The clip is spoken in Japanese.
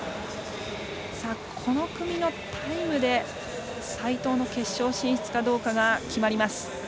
この組のタイムで齋藤が決勝進出かどうかが決まります。